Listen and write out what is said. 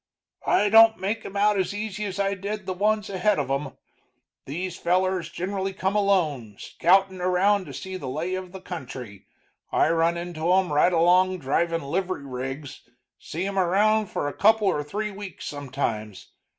"I don't make 'em out as easy as I did the ones ahead of 'em. These fellers generally come alone, scoutin' around to see the lay of the country I run into 'em right along drivin' livery rigs, see 'em around for a couple or three weeks sometimes.